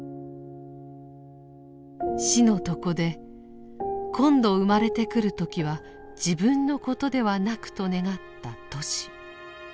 死の床で「今度生まれて来る時は自分のことではなく」と願ったトシ。